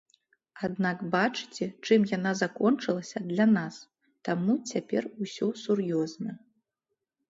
Аднак бачыце, чым яна закончылася для нас, таму цяпер усё сур'ёзна.